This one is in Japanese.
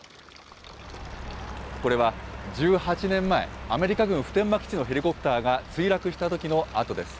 これは１８年前、アメリカ軍普天間基地のヘリコプターが墜落したときの跡です。